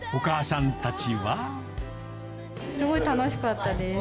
すごい楽しかったです。